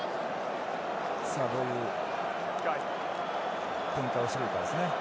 どういう展開をしてくるかですね。